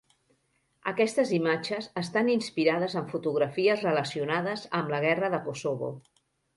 Aquestes imatges estan inspirades en fotografies relacionades amb la Guerra de Kosovo.